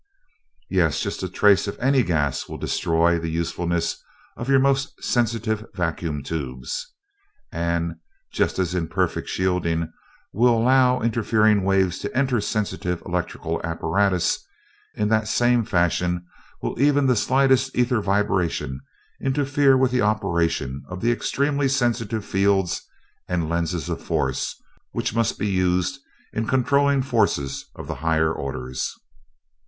"Yes. Just as a trace of any gas will destroy the usefulness of your most sensitive vacuum tubes, and just as imperfect shielding will allow interfering waves to enter sensitive electrical apparatus in that same fashion will even the slightest ether vibration interfere with the operation of the extremely sensitive fields and lenses of force which must be used in controlling forces of the higher orders."